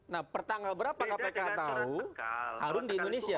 nah pertanggal berapa kpk tahu harun di indonesia